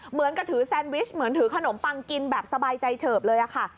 เหมือนกับถือแซนวิชเหมือนถือขนมปังกินแบบสบายใจเฉิบเลยค่ะ